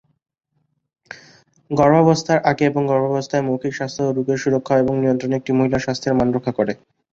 গর্ভাবস্থার আগে এবং গর্ভাবস্থায় মৌখিক স্বাস্থ্য ও রোগের সুরক্ষা এবং নিয়ন্ত্রণ একটি মহিলার স্বাস্থ্যের মান রক্ষা করে।